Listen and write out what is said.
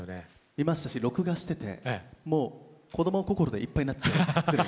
見ましたし録画しててもう「こどもこころ」でいっぱいになっちゃうくらい。